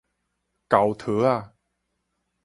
猴桃仔